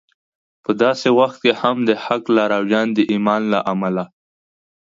په داسې وخت کې هم د حق لارویان د ایمان له امله